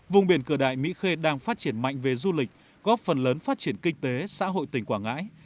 vùng biển cửa đại mỹ khê đang phát triển mạnh về du lịch góp phần lớn phát triển kinh tế xã hội tỉnh quảng ngãi